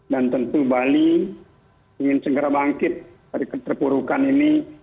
dan tentu bali ingin segera bangkit dari keterpurukan ini